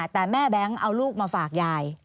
แต่แม่แบงค์เอาลูกมาฝากยาย